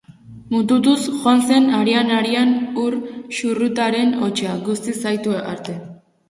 Mututuz joan zen arian-arian ur-xurrutaren hotsa, guztiz ahitu arte.